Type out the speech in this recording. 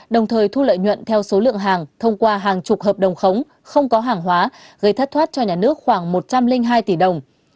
đồng thời thu lợi nhuận theo số lượng hàng thông qua hàng chục hợp đồng khống không có hàng hóa gây thất thoát cho nhà nước khoảng một trăm linh hai tỷ đồng